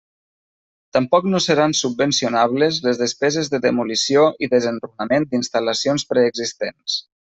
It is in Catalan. Tampoc no seran subvencionables les despeses de demolició i desenrunament d'instal·lacions preexistents.